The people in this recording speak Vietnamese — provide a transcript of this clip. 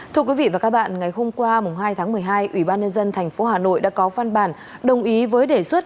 thưa quý vị và các bạn ngày hôm qua hai tháng một mươi hai ủy ban nhân dân tp hà nội đã có văn bản đồng ý với đề xuất